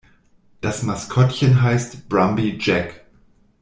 Das Maskottchen heißt "Brumby Jack".